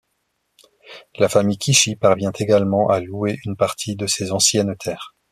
La famille Kishi parvient également à louer une partie de ses anciennes terres.